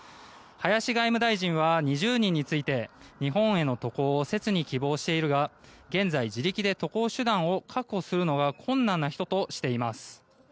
林外務大臣は２０人について日本への渡航を切に希望しているが現在、自力で渡航手段を確保することが困難な人としています。